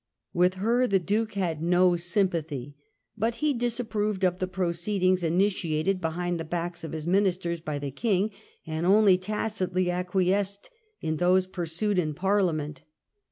With her the Duke had no sympathy; but he dis approved of the proceedings initiated behind the backs of his Ministers by the King, and only tacitly ac quiesced in those pursued in Parliament.